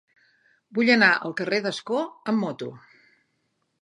Vull anar al carrer d'Ascó amb moto.